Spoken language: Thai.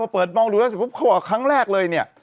เปิดมองดูแล้วเสร็จปุ๊บเขาบอกครั้งแรกเลยเนี่ย